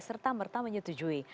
serta merta menyetujui